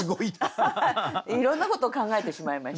いろんなことを考えてしまいました。